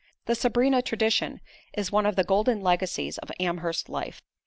The Sabrina tradition is one of the golden legacies of Amherst life.